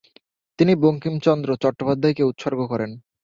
তিনি বঙ্কিমচন্দ্র চট্টোপাধ্যায়কে উৎসর্গ করেন।